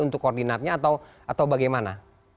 untuk koordinatnya atau bagaimana